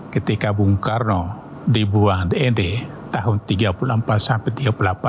ketika bung karno dibuang di nd tahun seribu sembilan ratus tiga puluh empat sampai seribu sembilan ratus tiga puluh lima